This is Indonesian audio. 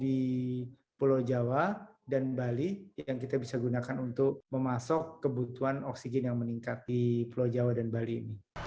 di pulau jawa dan bali yang kita bisa gunakan untuk memasok kebutuhan oksigen yang meningkat di pulau jawa dan bali ini